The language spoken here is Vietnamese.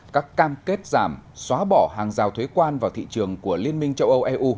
các cam kết giảm xóa bỏ hàng rào thuế quan vào thị trường của liên minh châu âu eu